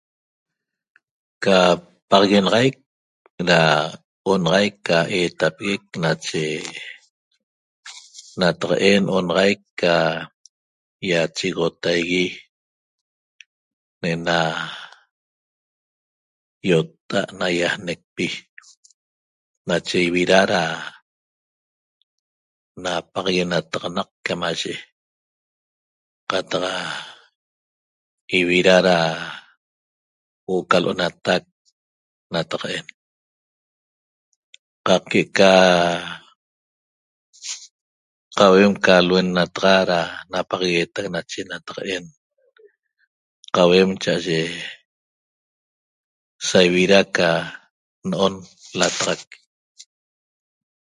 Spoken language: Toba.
Ca paxaguenaxaic da onaxaic ca eetapeguec nache nataq'en onaxaic ca ýachegoxotaigui ne'ena ýotta'a't naýajnecpi nache ivida da napaxaguenataxanaq camaye qataq ivida da huo'o ca l'onatac nataq'en qaq que'eca qauem ca lhuennnataxa da napaxagueetac nache nataq'en qauem cha'aye sa ivida ca no'on lataxac